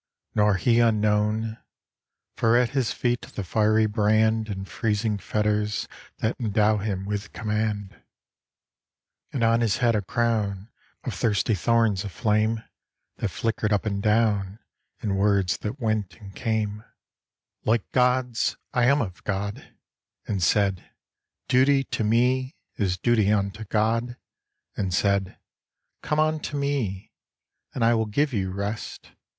Nor he unknown: for at His feet the fiery brand And freezing fetters that Endow him with command. And on his head a crown Of thirsty thorns of flame That flicker'd up and down In words that went and came Like God's, 'I am of God'; And said, 'Duty to me Is duty unto God'; And said, 'Come unto me, And I will give you rest.